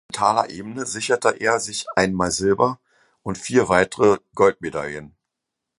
Auf kontinentaler Ebene sicherte er sich einmal Silber und vier weitere Goldmedaillen.